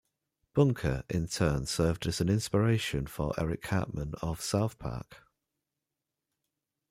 Bunker, in turn, served as an inspiration for Eric Cartman of "South Park".